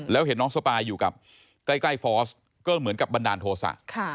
แล้วเห็นน้องสปายอยู่กับใกล้ฟอร์สก็เหมือนกับบันดาลโทษะ